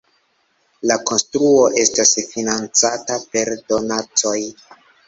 La konstruo estas financata per donacoj.